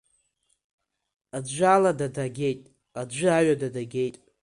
Аӡәы алада дагеит, аӡәы аҩада дагеит.